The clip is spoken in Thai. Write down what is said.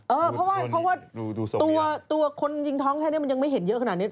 เพราะว่าตัวคนยิงท้องแค่นี้มันยังไม่เห็นเยอะขนาดนี้